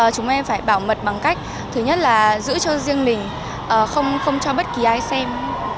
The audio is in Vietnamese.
chúng em phải bảo mật bằng cách thứ nhất là giữ cho riêng mình không cho bất kỳ ai xem